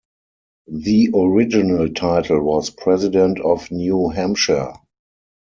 The original title was President of New Hampshire.